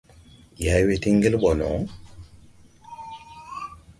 Ndi hay we tii ŋgel ɓɔ no...